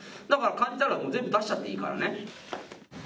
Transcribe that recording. だから感じたら全部出しちゃっていいからね。